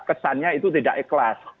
kesannya itu tidak ikhlas